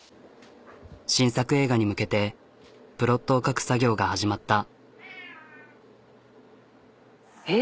新作映画に向けてプロットを書く作業が始まった。